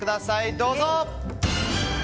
どうぞ！